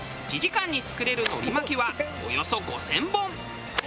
１時間に作れる海苔巻きはおよそ５０００本。